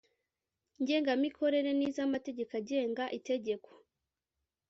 Ngengamikorere n iz amategeko agenga itegeko